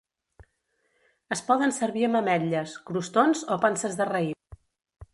Es poden servir amb ametlles, crostons o panses de raïm.